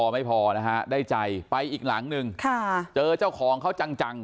ไม่พอได้ใจไปอีกหลังนึงเจอเจ้าของเขาจัง